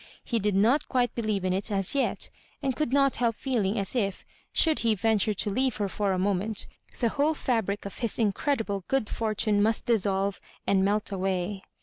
Ho did not quite believe in it a&yet, and could not help feeling as if, should he venture to leave her for a moment, the whole fa bric of his incredible good fortune must dissolve and melt away.